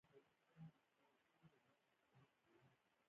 د یوګانډا هېواد متل وایي په ناکامۍ پلمه مه لټوئ.